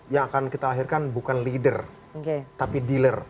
yang akan kita lahirkan bukan leader tapi dealer